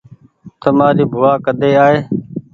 تمآري بووآ ڪۮي آئي